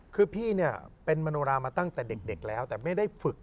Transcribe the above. คือพี่เนี่ยเป็นมโนรามาตั้งแต่เด็กแล้วแต่ไม่ได้ฝึก